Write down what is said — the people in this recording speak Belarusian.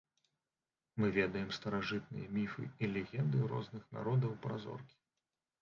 Мы ведаем старажытныя міфы і легенды розных народаў пра зоркі.